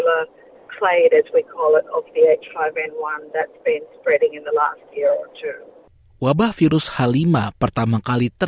akan memutasi untuk menjadi mudah dikonsumsi antara manusia